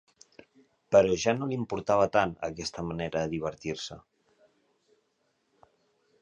Però ja no l'importava tant aquesta manera de divertir-se.